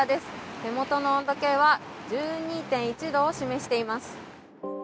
手元の温度計は１２．１度を示しています。